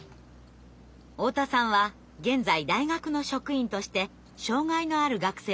太田さんは現在大学の職員として障害のある学生をサポートしています。